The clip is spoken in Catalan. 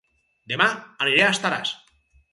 Dema aniré a Estaràs